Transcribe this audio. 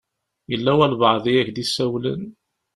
Yella walebɛaḍ i ak-d-isawlen?